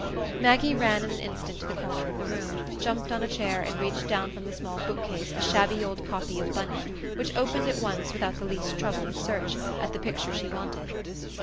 Maggie ran in an instant to the corner of the room, jumped on a chair, and reached down from the small bookcase a shabby old copy of Bunyan, which opened at once, without the least trouble of search, at the picture she wanted.